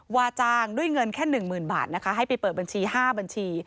ว่าจ้างด้วยเงินแค่๑๐๐๐บาทนะคะให้ไปเปิดบัญชี๕บัญชี